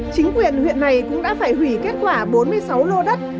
chính quyền huyện này cũng đã phải hủy kết quả bốn mươi sáu lô đất